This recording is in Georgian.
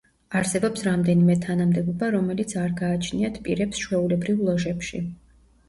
არსებობს რამდენიმე თანამდებობა, რომელიც არ გააჩნიათ პირებს ჩვეულებრივ ლოჟებში.